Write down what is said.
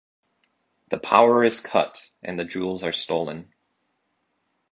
The power is cut, and the jewels are stolen.